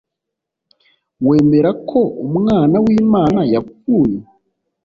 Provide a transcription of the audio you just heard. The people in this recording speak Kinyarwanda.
wemera ko umwana w,imana yapfuye